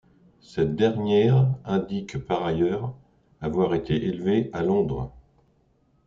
Cette dernière indique par ailleurs avoir été élevée à Londres.